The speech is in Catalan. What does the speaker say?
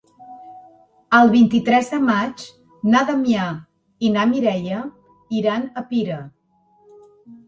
El vint-i-tres de maig na Damià i na Mireia iran a Pira.